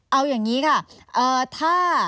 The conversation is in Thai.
เอาอย่างนี้ค่ะ